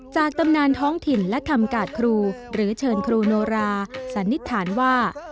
ตำนานท้องถิ่นและคำกาดครูหรือเชิญครูโนราสันนิษฐานว่า